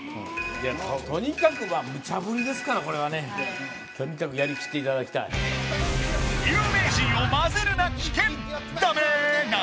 いやとにかくはムチャぶりですからこれはねとにかくやりきっていただきたい有名人をまぜるな危険「ダメー！」な